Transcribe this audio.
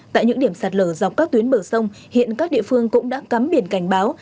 tại những điểm sạt lở dọc các tuyến bờ sông hiện các địa phương cũng đã cắm biển cảnh báo